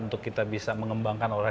untuk kita bisa mengembangkan